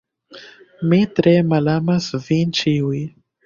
Mi tre malamas vin ĉiuj.